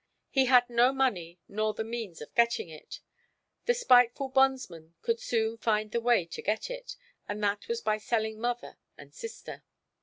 He had no money nor the means of getting it. The spiteful bondsman could soon find the way to get it, and that was by selling mother and sister.